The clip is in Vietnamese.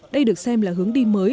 đây được xem là hướng đi mới